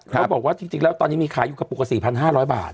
เขาบอกว่าจริงแล้วตอนนี้มีขายอยู่กระปุกกว่า๔๕๐๐บาท